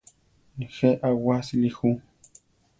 Nejé awasíli ju.